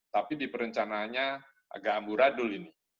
tapi diperencanaannya agak amburadul ini